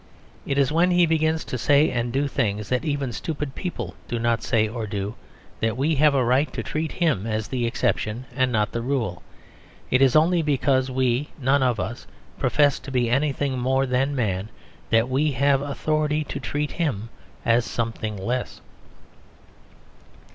It is when he begins to say and do things that even stupid people do not say or do, that we have a right to treat him as the exception and not the rule. It is only because we none of us profess to be anything more than man that we have authority to treat him as something less.